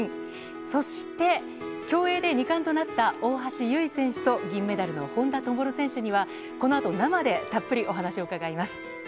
そして、競泳で２冠となった大橋悠依選手と銀メダルの本多灯選手にはこのあと、生でたっぷりお話を伺います。